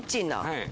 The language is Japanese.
はい。